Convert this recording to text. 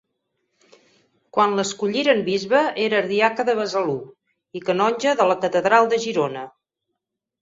Quan l'escolliren bisbe era Ardiaca de Besalú i canonge de la Catedral de Girona.